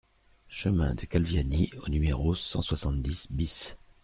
Chemin de Calviani au numéro cent soixante-dix BIS